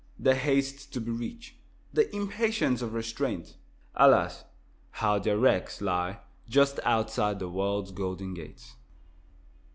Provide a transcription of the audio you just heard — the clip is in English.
The haste to be rich, the impatience of restraint, alas! how their wrecks lie just outside the world's golden gates.